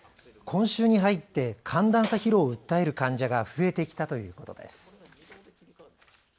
今週に入って寒暖差疲労を訴える患者が増えてきたということです。